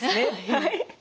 はい。